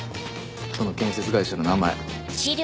その建設会社の名前。